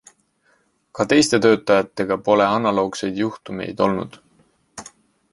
Ka teiste töötajatega pole analoogseid juhtumeid olnud.